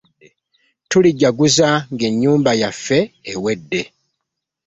Tulijaguza ng'ennyumba yaffe ewedde.